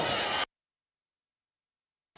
ตั้งรายได้ด้วยทักษะ